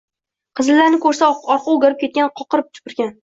qizillarni ko’rsa, orqa o’girib ketgan, qoqirib tupurgan.